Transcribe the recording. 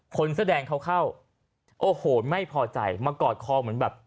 คนแสดงเขาโอ้โหไม่พอใจมากอดคอเหมือนแบบ